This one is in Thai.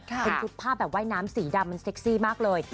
เป็นชุดภาพแบบว่ายน้ำสีดำมันเซ็กซี่มากเลย